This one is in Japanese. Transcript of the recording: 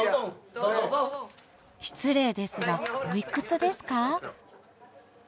失礼ですがおいくつですか？